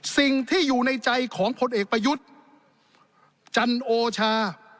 สิ่งที่อยู่ในใจของพลเอกประยุทธ์จันโอชา